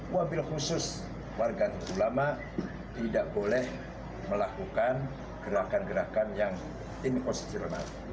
wabil khusus warga ulama tidak boleh melakukan gerakan gerakan yang inkonstitusional